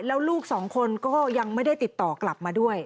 แล้วลูกสองคนก็ยังไม่ได้ติดต่อกลับมาด้วย